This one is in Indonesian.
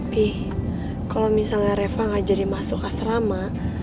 bi kalau misalnya reva enggak jadi masuk asrama